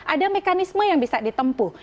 ada mekanisme yang bisa ditempuh